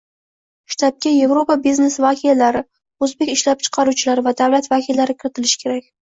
Shtabga Yevropa biznesi vakillari, o‘zbek ishlab chiqaruvchilari va davlat vakillari kiritilishi kerak.